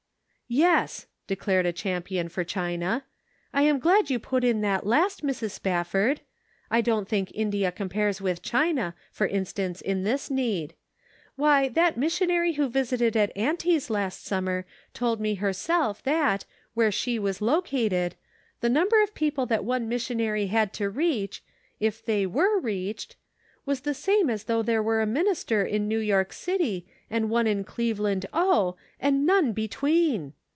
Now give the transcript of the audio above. " Yes," declared a champion for China, " I am glad you put in that last, Mrs. Spafford; I don't think India compares with China, for instance, in its need. Why that missionary who visited at auntie's last summer told me herself that, where she was located, the number of people that one missionary had to reach, if they were reached, was the same as though Then and Now. 495 there were a minister in New York City and one in Cleveland, O., and none between